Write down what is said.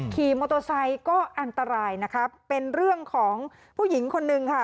ขี่มอเตอร์ไซค์ก็อันตรายนะครับเป็นเรื่องของผู้หญิงคนนึงค่ะ